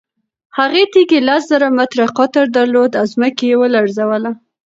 هغې تیږې لس زره متره قطر درلود او ځمکه یې ولړزوله.